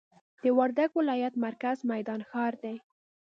د وردګ ولایت مرکز میدان ښار دي.